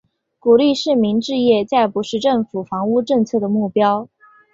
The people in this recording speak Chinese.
鼓励市民置业再不是政府房屋政策的目标。